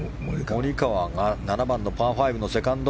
モリカワが７番のパー５のセカンド。